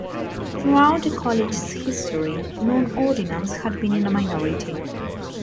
Throughout the college's history, non-ordinands had been in a minority.